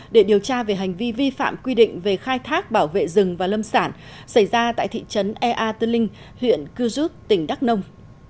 để điều tra về hành vi vi phạm quy định về khai thác bảo vệ rừng và lâm sản xảy ra tại thị trấn ea tư linh huyện cư rút tỉnh đắk nông